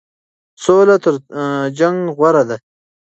سوله تر جنګ غوره ده.